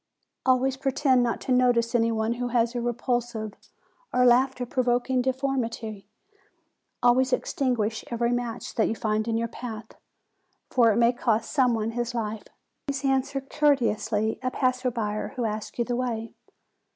Always pretend not to notice any one who has a repulsive or laughter provoking deformity. Always extinguish every match that you find in your path; for it may cost some one his life. Always answer courteously a passer by who asks you the way.